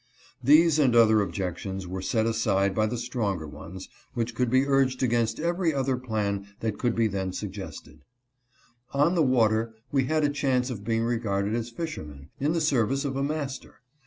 These and other objections were set aside by the stronger ones, which could be urged against every other plan that GIVES THEM A PASS. 203 could then be suggested. On the water we had a chance of being regarded as fishermen, in the service of a master.